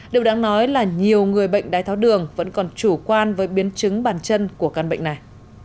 điều đáng nói là nhiều người bệnh đái tháo đường vẫn còn chủ quan với biến chứng bàn chân của căn bệnh này